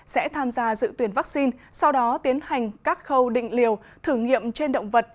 sẽ tham gia dự tuyển vaccine sau đó tiến hành các khâu định liều thử nghiệm trên động vật